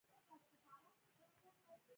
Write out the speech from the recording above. بست یوه درجه ده چې مامور یې اخلي.